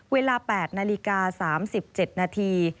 เวลา๘นาฬิกา๓๗นาที